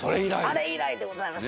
あれ以来でございます。